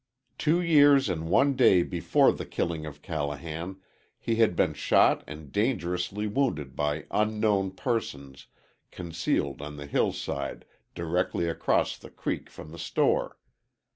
Two years and one day before the killing of Callahan he had been shot and dangerously wounded by unknown persons concealed on the hillside directly across the creek from the store.